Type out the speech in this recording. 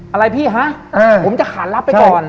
อะไรพี่ฮะผมจะขานรับไปก่อน